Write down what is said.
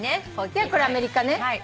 これアメリカね。